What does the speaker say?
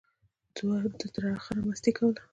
ده تر اخره مستۍ کولې.